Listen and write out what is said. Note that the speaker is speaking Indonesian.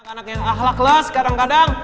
anak anak yang akhlak lah kadang kadang